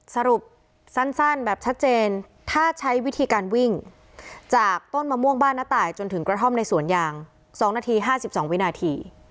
สรุปสั้นแบบชัดเจนถ้าใช้วิธีการวิ่งจากต้นมะม่วงบ้านน้าตายจนถึงกระท่อมในสวนยาง๒นาที๕๒วินาที